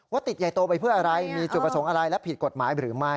ติดใหญ่โตไปเพื่ออะไรมีจุดประสงค์อะไรและผิดกฎหมายหรือไม่